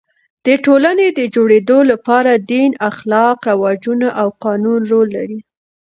د ټولني د جوړېدو له پاره دین، اخلاق، رواجونه او قانون رول لري.